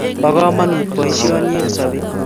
Po kamanut poisyoni eng' sobet